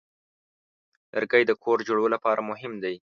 لرګی د کور جوړولو لپاره مهم دی.